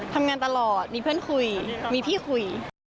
ทำงานตลอดมีเพื่อนคุยมีพี่คุย